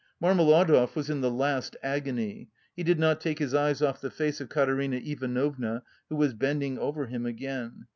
Marmeladov was in the last agony; he did not take his eyes off the face of Katerina Ivanovna, who was bending over him again.